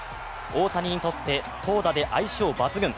大谷にとって投打で相性抜群。